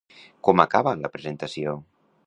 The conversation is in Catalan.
Com acaba la presentació?